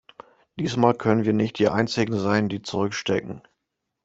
Diesmal können wir nicht die Einzigen sein, die zurückstecken.